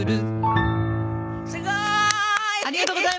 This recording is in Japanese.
すごーい！